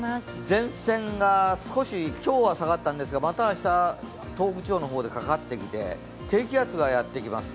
前線が少し今日は下がったんですがまた明日、東北地方の方でかかってきて、低気圧がやってきます。